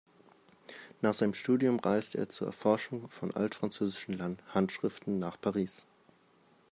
Nach seinem Studium reiste er zur Erforschung von altfranzösischen Handschriften nach Paris.